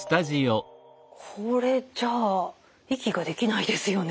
これじゃあ息ができないですよね。